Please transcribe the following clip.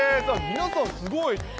皆さん、すごい。